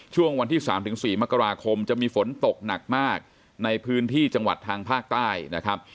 ช่วงวันที่๓๔มกราคมจะมีฝนตกหนักมากในพื้นที่จังหวัดทางภาคใต้นะครับ